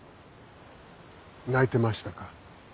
泣いてましたか。